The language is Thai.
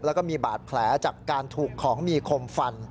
แล้วก็มีบาดแผลจากการถูกของมีคมฟัน